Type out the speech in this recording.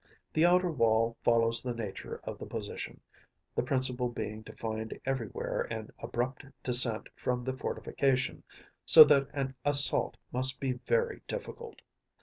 The outer wall follows the nature of the position, the principle being to find everywhere an abrupt descent from the fortification, so that an assault must be very difficult.